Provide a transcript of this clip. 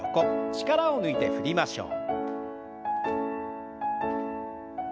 力を抜いて振りましょう。